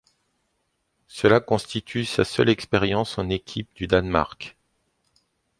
Cela constitue sa seule expérience en équipe du Danemark.